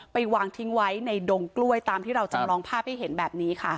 ไปวางทิ้งไว้ในดงกล้วยตามที่เราจำลองภาพให้เห็นแบบนี้ค่ะ